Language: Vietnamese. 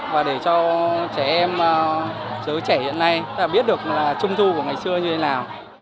và để cho trẻ em dớ trẻ hiện nay biết được trung thu của ngày xưa như thế nào